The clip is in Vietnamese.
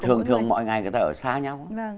thường thường mọi ngày người ta ở xa nhau